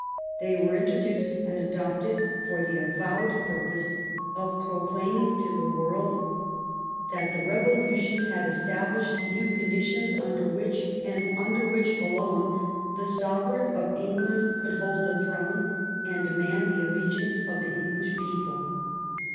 They were introduced and adopt ed for the avowed purpose of proclaiming to the world that the Bevolution had established new conditions under which, and under which alone, the sovereign of England could hold the throne and demand the alle giance of the English people.